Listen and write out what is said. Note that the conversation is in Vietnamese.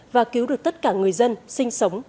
và cứu được tất cả người dân sinh sống